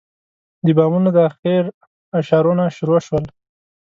د بامونو د اخېړ اشارونه شروع شول.